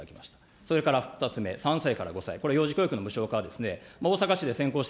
それから２つ目、３歳から５歳、これ幼児教育の無償化は大阪市で先行した